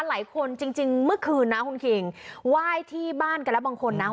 จริงจริงเมื่อคืนนะคุณคิงไหว้ที่บ้านกันแล้วบางคนนะ